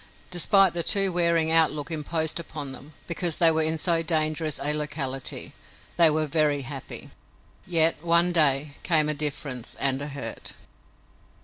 Despite the too wearing outlook imposed upon them, because they were in so dangerous a locality, they were very happy. Yet, one day, came a difference and a hurt.